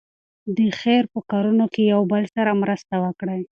د خیر په کارونو کې یو له بل سره مرسته وکړئ.